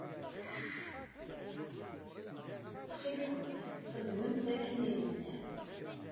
Ttxil-kent, xedmemt akken i d-nniɣ.